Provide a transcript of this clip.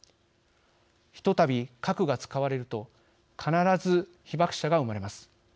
ひとたび核が使われると必ず、被爆者が生まれます。